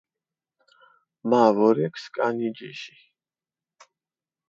მა ვორექ სკანი ჯიში